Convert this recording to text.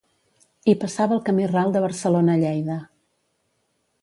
Hi passava el camí Ral de Barcelona a Lleida.